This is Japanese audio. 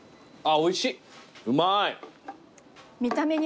おいしい。